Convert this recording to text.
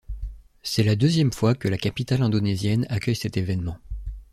C'est la deuxième fois que la capitale indonésienne accueille cet événement.